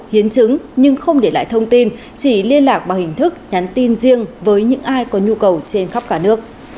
hiến chứng nhưng không để lại thông tin chỉ liên lạc bằng hình thức nhắn tin riêng với những ai có nhu cầu